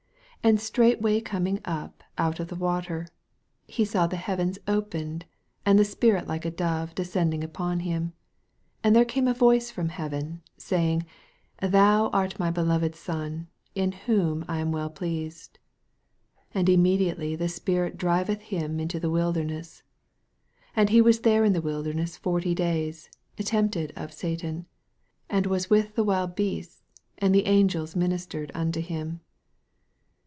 10 And straightway coming up out of the water, he saw the neavens opened, and the Spirit like a dove de scending upon him : 11 And there came a voice from heaven, saying, Thou art my beloved Son, in whom I am well pleased. 12 And immediately the Spirit dri veth him into the wilderness. 13 And he was there in the wilder ness forty days, tempted of Satan: and was with the wild beasts; and the angels ministered unto him.